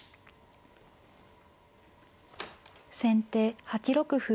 先手８六歩。